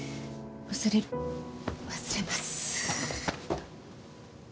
忘れる忘れます。